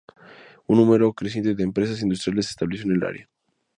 Un número creciente de empresas industriales se estableció en el área.